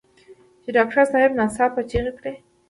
چې ډاکټر صاحب ناڅاپه چيغه کړه.